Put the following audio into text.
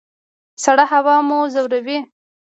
سړه هوا مو ځوروي؟